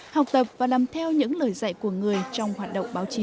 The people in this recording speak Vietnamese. học tập và làm theo những lời dạy của người trong hoạt động báo chí